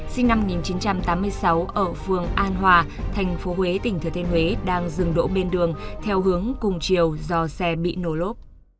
sinh năm một nghìn chín trăm tám mươi sáu ở phường an hòa thành phố huế tỉnh thừa thiên huế đang dừng độ bên đường theo hướng cùng chiều do xe bị nổ lốp